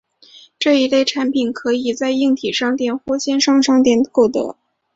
这一类产品可以在硬体商店或线上商店购得。